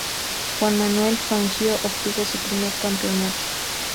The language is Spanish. Juan Manuel Fangio obtuvo su primer campeonato.